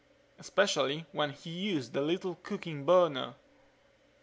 Especially when he used the little cooking burner.